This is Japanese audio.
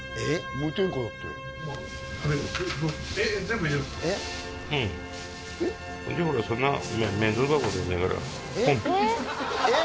無添加だってうんえっ！